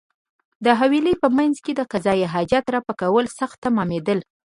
د حویلۍ په مېنځ کې د قضای حاجت رفع کول سخت تمامېدل.